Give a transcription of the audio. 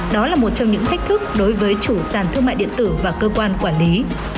đó là một trong những thách thức đối với chủ sản thương mại điện tử và cơ quan quản lý